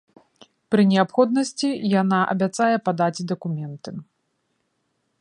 Пры неабходнасці яна абяцае падаць дакументы.